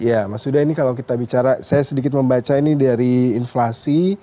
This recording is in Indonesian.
ya mas huda ini kalau kita bicara saya sedikit membaca ini dari inflasi